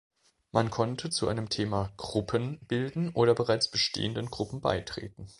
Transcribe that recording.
Man konnte zu einem Thema „Gruppen“ bilden oder bereits bestehenden Gruppen beitreten.